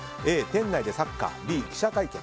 Ａ、店内でサッカーＢ、記者会見